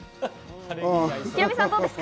ヒロミさん、どうですか？